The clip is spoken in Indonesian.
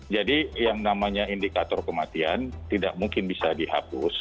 jadi yang namanya indikator kematian tidak mungkin bisa dihapus